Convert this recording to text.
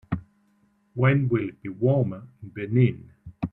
When will it be warmer in Benin